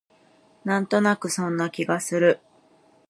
なんとなくそんな気がする